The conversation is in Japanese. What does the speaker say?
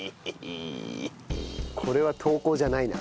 これは投稿じゃないな。